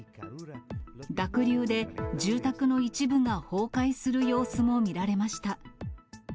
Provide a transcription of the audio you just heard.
濁流で住宅の一部が崩壊する様子も見られました。